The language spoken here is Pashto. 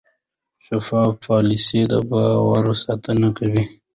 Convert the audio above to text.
شفاف پالیسي د باور ساتنه کوي.